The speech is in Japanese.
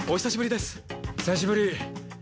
久しぶり！